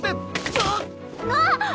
あっ！